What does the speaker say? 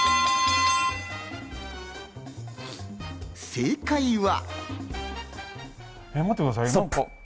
正解は。